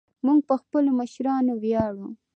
موږ په خپلو مشرانو ویاړو